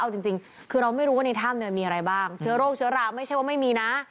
เอาจริงคือเราไม่รู้ว่าในถ้ำเนี่ยมีอะไรบ้างเชื้อโรคเชื้อราไม่ใช่ว่าไม่มีนะ